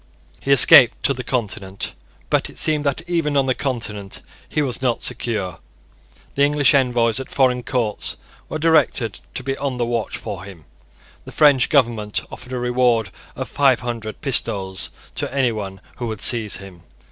He escaped to the Continent. But it seemed that even on the Continent he was not secure. The English envoys at foreign courts were directed to be on the watch for him. The French government offered a reward of five hundred pistoles to any who would seize him.